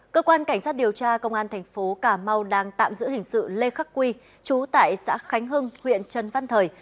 cơ quan cảnh sát điều tra công an thành phố cà mau đang tạm giữ hình sự lê khắc quy chú tại xã khánh hưng huyện trần văn thời